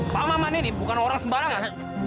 pak maman ini bukan orang sembarangan